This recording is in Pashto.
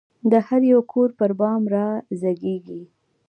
د هریو کور پربام رازیږې